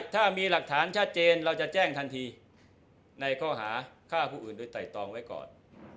ถ้ามีหลักฐานชัดเจนเราจะแจ้งทันทีในข้อหาฆ่าผู้อื่นโดยไตรตองไว้ก่อน